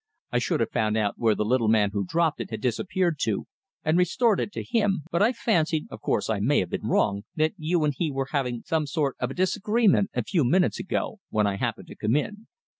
"I should have found out where the little man who dropped it had disappeared to, and restored it to him, but I fancied of course, I may have been wrong that you and he were having some sort of a disagreement, a few minutes ago, when I happened to come in.